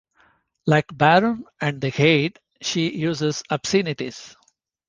Like Baron and the Ghede, she uses obscenities.